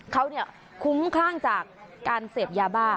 เขาเนี่ยคุ้มข้างจากการเสพยาบ้า